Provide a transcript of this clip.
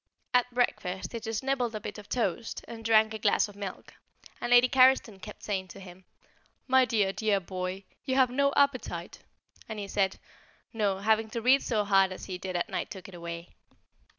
At breakfast he just nibbled a bit of toast, and drank a glass of milk, and Lady Carriston kept saying to him, "My dear, dear boy, you have no appetite," and he said, "No, having to read so hard as he did at night took it away."